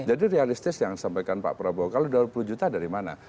jadi realistis yang sampaikan pak prabowo kalau dua puluh juta dari mana